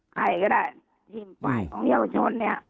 ใครก็ได้